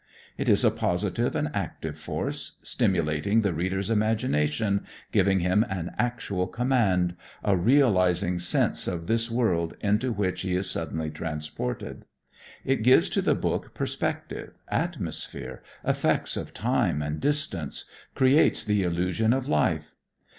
It is a positive and active force, stimulating the reader's imagination, giving him an actual command, a realizing sense of this world into which he is suddenly transported. It gives to the book perspective, atmosphere, effects of time and distance, creates the illusion of life.